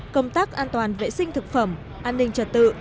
công tác an toàn vệ sinh thực phẩm an ninh trật tự